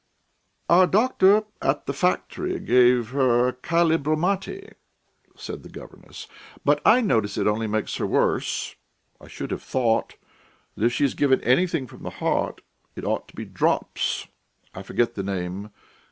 "Our doctor at the factory gave her kalibromati," said the governess, "but I notice it only makes her worse. I should have thought that if she is given anything for the heart it ought to be drops.... I forget the name....